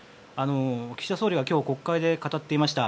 岸田総理は今日、国会で語っていました。